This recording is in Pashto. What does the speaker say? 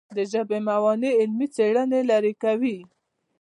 د ژبې موانع علمي څېړنې لیرې کوي.